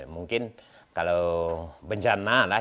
mungkin kalau bencana lah